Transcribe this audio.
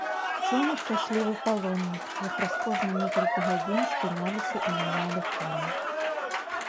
Чуў нешчаслівы палоннік, як праз кожныя некалькі гадзін спыняліся і мянялі коней.